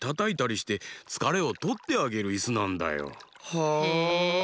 へえ。